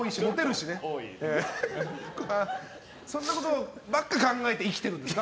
そんなことばっか考えて生きてるんですか？